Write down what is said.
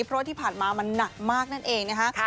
เพราะที่ผ่านมามันน่ะมากนั่นเองเนี่ยคะ